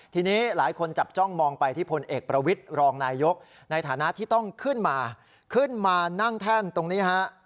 ทีนี้หลายคนจับจ้องมองไปที่พลเอกประวิทย์รองนายยกในฐานะที่ต้องขึ้นมาขึ้นมานั่งแท่นตรงนี้ฮะ